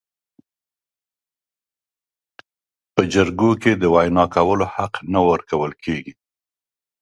په جرګو کې د وینا کولو حق نه ورکول کیږي.